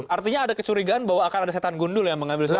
artinya ada kecurigaan bahwa akan ada setan gundul yang mengambil suara